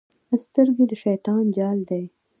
سترګې د شیطان جال دی.